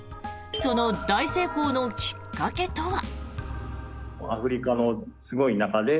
その大成功のきっかけとは。